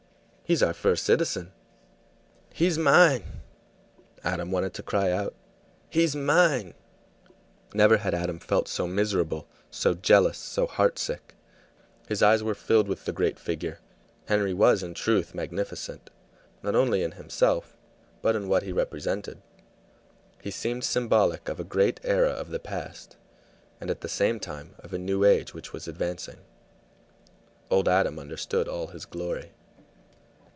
"He's our first citizen." "He's mine!" Adam wanted to cry out. "He's mine!" Never had Adam felt so miserable, so jealous, so heartsick. His eyes were filled with the great figure. Henry was, in truth, magnificent, not only in himself, but in what he represented. He seemed symbolic of a great era of the past, and at the same time of a new age which was advancing. Old Adam understood all his glory.